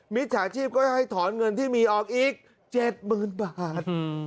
มิจฉาชีพก็ให้ถอนเงินที่มีออกอีก๗๐๐๐บาท